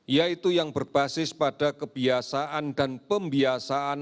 yaitu yang berbasis pada kebiasaan dan pembiasaan